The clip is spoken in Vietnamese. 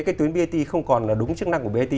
cái tuyến brt không còn là đúng chức năng của brt